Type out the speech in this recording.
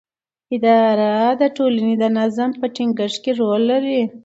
اداره د ټولنې د نظم په ټینګښت کې رول لري.